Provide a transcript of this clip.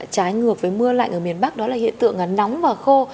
trái ngược với mưa lạnh ở miền bắc đó là hiện tượng nóng và khô